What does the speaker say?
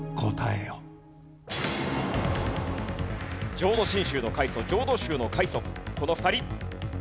浄土真宗の開祖浄土宗の開祖この２人。